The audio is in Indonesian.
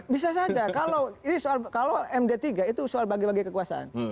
bisa saja kalau md tiga itu soal bagi bagi kekuasaan